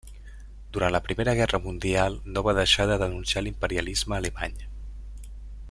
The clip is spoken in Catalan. Durant la Primera Guerra mundial no va deixar de denunciar l'imperialisme alemany.